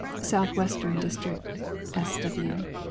SOUTH WESTERN DISTRICT. (S.W.)